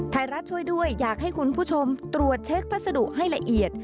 ไทยรัฐช่วยด้วยอยากให้คุณผู้ชมตรวจเช็คพัสดุให้ละเอียด